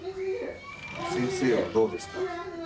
先生はどうですか？